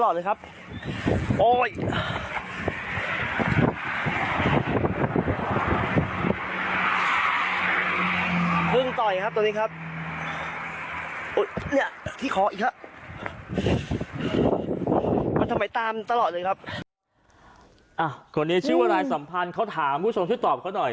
คนนี้ชื่อว่านายสัมพันธ์เขาถามผู้ชมช่วยตอบเขาหน่อย